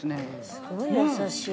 すごい優しい。